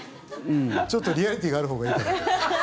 ちょっとリアリティーがあるほうがいいかなと。